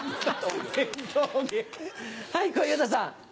はい小遊三さん。